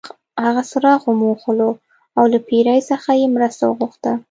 هغه څراغ وموښلو او له پیري څخه یې مرسته وغوښته.